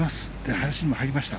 林にも入りました。